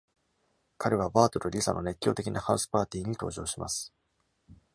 彼はバートとリサの熱狂的なハウスパーティーに登場します。